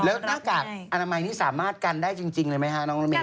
แล้วนาฬิกาอรัมนิย์นี้สามารถกันได้จริงเลยมั้ยฮะน้องมันเมีย